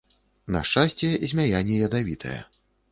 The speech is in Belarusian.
На шчасце, змяя не ядавітая.